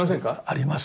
ありますね。